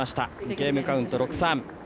ゲームカウント６−３。